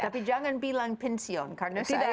tapi jangan bilang pensiun karena saya akan pensiun